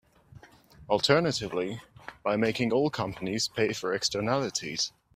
Alternatively, by making oil companies pay for externalities.